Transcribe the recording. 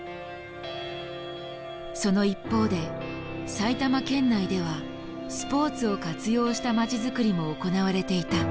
その一方で埼玉県内ではスポーツを活用した街づくりも行われていた。